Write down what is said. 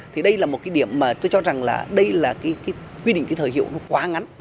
thì đây là một điểm mà tôi cho rằng là đây là quy định thời hiệu quá ngắn